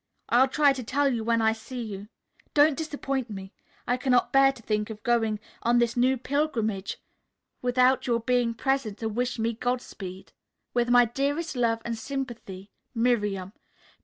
I'll try to tell you when I see you. Don't disappoint me. I cannot bear to think of going on this new pilgrimage without your being present to wish me godspeed. With my dearest love and sympathy, "MIRIAM."